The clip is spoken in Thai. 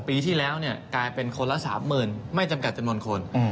ปีที่แล้วกลายเป็นคนละ๓๐๐๐ไม่จำกัดจำนวนคน